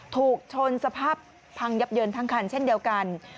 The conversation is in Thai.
ถูกชนสภาพพังยับเยินทั้งคันเช่นเดียวกัน